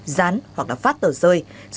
gián hoặc là phát tờ